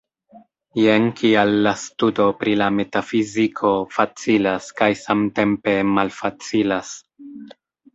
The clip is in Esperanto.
Jen kial la studo pri la metafiziko facilas kaj samtempe malfacilas.